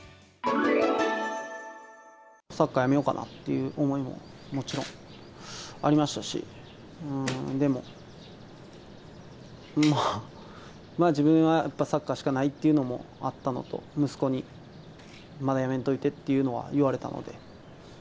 サッカーやめようかなという思いももちろん、ありましたし、でも、まあ、自分はやっぱサッカーしかないっていうのもあったのと、息子にまだやめんといてっていうのは言われたので。